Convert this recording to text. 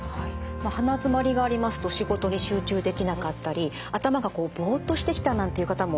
鼻づまりがありますと仕事に集中できなかったり頭がこうぼっとしてきたなんていう方もいますよね。